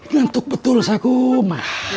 ngantuk betul sakum